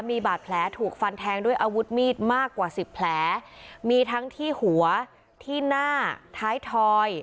มีบาดแผลถูกฟันแทงด้วยอาวุธมีดมากกว่าสิบแผลมีทั้งที่หัวที่หน้าท้ายทอย